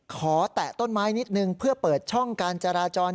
แตะต้นไม้นิดนึงเพื่อเปิดช่องการจราจร